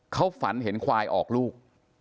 เขาฝันเห็นควายออกลูก